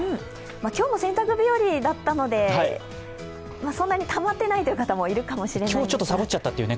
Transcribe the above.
今日も洗濯日和だったのでそんなにたまっていないという方もいらっしゃるかもしれないです。